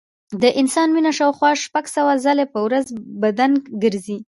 د انسان وینه شاوخوا شپږ سوه ځلې په ورځ بدن ګرځي.